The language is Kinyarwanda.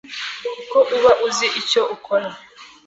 kuko uba uzi icyo ukora